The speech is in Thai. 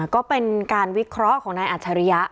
ก็เป็นการวิเคราะห์ของนายอัจฉริยะ